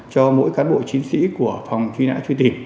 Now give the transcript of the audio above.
cho mỗi cán bộ chiến sĩ của phòng truy nã truy tìm